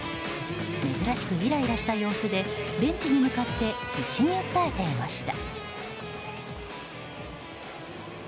珍しくいらいらした様子でベンチに向かって必死に訴えていました。